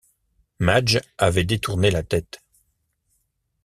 Madge avait détourné la tête!...